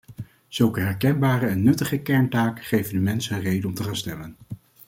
Zulke herkenbare en nuttige kerntaken geven de mensen een reden om te gaan stemmen.